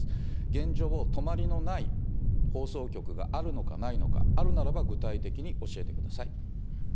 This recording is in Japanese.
現状、泊まりのない放送局があるのかないのか、あるならば具体的に教えてください。